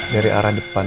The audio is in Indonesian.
dari arah depan